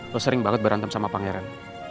lo sering banget berantem sama pangeran